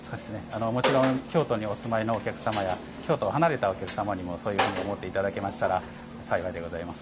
もちろん京都にお住まいのお客様や京都を離れたお客様にもそういうふうに思っていただけましたら幸いでございます。